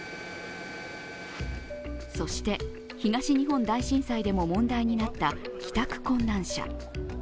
そして、東日本大震災でも問題になった帰宅困難者。